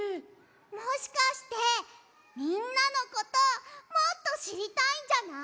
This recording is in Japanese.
もしかしてみんなのこともっとしりたいんじゃない？